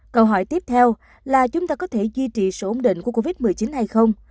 câu hỏi tiếp theo là chúng ta có thể duy trì sự ổn định của covid một mươi chín hay không